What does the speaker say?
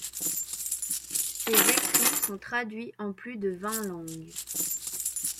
Ses écrits sont traduits en plus de vingt langues.